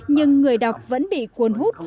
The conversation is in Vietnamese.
nhưng người đọc vẫn bị cuốn hút